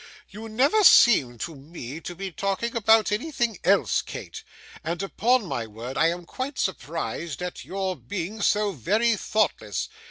'You never seem to me to be talking about anything else, Kate, and upon my word I am quite surprised at your being so very thoughtless.